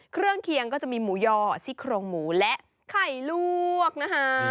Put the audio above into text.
เครื่องเคียงก็จะมีหมูย่อซิกโครงหมูและไข่ลวกนะฮะ